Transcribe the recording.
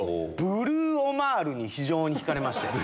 ブルーオマールに非常に引かれまして。